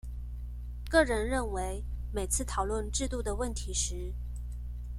個人認為每次討論制度的問題時